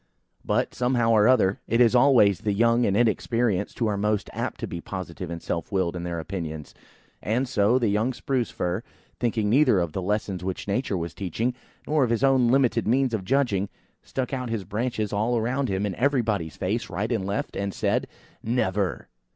But, somehow or other, it is always the young and inexperienced, who are most apt to be positive and self willed in their opinions; and so, the young Spruce fir, thinking neither of the lessons which Nature was teaching, nor of his own limited means of judging stuck out his branches all around him in everybody's face, right and left, and said– "Never!"